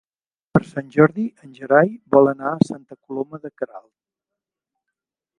Per Sant Jordi en Gerai vol anar a Santa Coloma de Queralt.